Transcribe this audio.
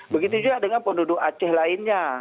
begitu juga dengan penduduk aceh lainnya